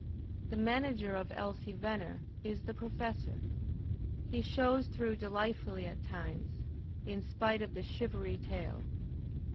The manager of "Elsie Venner" is the Professor; he shows through delightfully at times, in spite of the shivery tale.